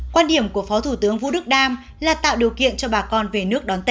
quan điểm của phó thủ tướng vũ đức đam là tạo điều kiện cho bà con về nước đón tết